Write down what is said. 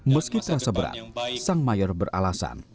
meski terasa berat sangmayor beralasan